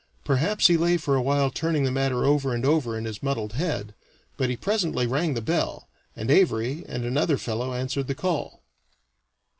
Perhaps he lay for a while turning the matter over and over in his muddled head, but he presently rang the bell, and Avary and another fellow answered the call.